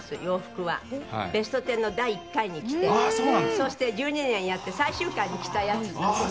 そして１２年やって最終回に着たやつです。